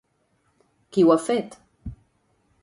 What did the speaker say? Qui ho ha fet?